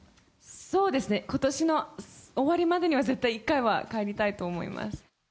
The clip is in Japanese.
そうですね、ことしの終わりまでには、絶対１回は帰りたいと思います。